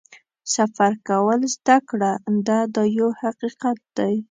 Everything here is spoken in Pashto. سفر کول زده کړه ده دا یو حقیقت دی.